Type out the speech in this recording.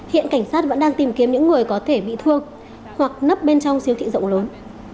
hiện cảnh sát vẫn đang tìm kiếm những người có thể bị thương hoặc nấp bên trong siêu thị rộng lớn